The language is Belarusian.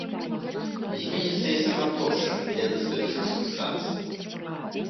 Зменіцца і сама плошча ля дыспетчарскай станцыі.